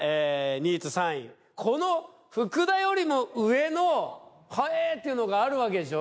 ２位と３位この福田よりも上のへえっていうのがあるわけでしょ